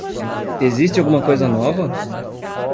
Existe alguma coisa nova?